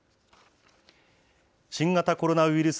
新型コロナウイルス